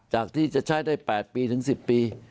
จากที่จะใช้ได้๘ปีถึง๑๐ปี